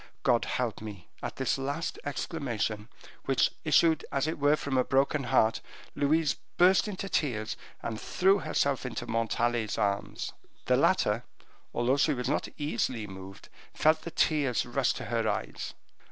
God help me!" At this last exclamation, which issued as it were from a broken heart, Louise burst into tears, and threw herself into Montalais's arms. The latter, although she was not easily moved, felt the tears rush to her eyes.